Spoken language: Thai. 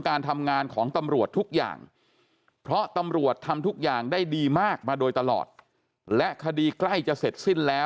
การทำงานของตำรวจทุกอย่างเพราะตำรวจทำทุกอย่างได้ดีมากมาโดยตลอดและคดีใกล้จะเสร็จสิ้นแล้ว